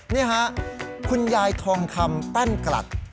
นี่ฮะคุณยายทองคำแป้นกลัด